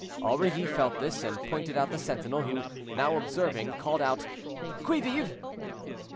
Aurilly felt this, and pointed out the sentinel, who, now observing, called out, "Qui vive!"